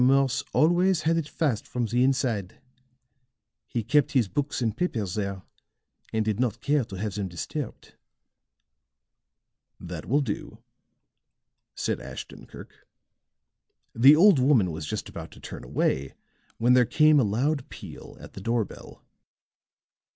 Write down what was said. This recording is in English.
Morse always had it fast from the inside. He kept his books and papers there, and did not care to have them disturbed." "That will do," said Ashton Kirk. The old woman was just about to turn away when there came a loud peal at the door bell.